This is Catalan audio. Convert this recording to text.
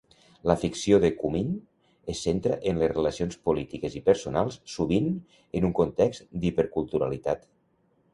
La ficció de Cumyn es centra en les relacions polítiques i personals, sovint en un context d"interculturalitat.